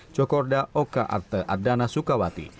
cokorda oka arte adana sukawati